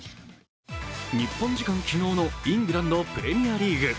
日本時間昨日のイングランド・プレミアリーグ。